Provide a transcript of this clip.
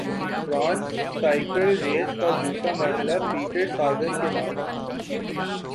France cycle race کا دوسرا مرحلہ پیٹرساگان کے نام